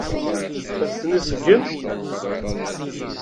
Ad ten-iseggem?